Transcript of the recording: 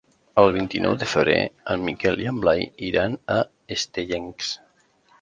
El vint-i-nou de febrer en Miquel i en Blai iran a Estellencs.